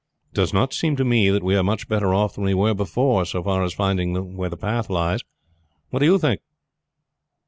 "It does not seem to me that we are much better off than we were before, so far as finding the path lies. What do you think?"